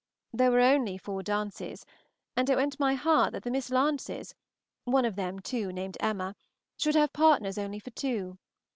There were only four dances, and it went to my heart that the Miss Lances (one of them, too, named Emma) should have partners only for two.